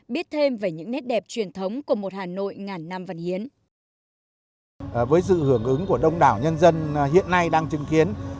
biết thêm về những nét đẹp truyền thống của một hà nội ngàn năm văn hiến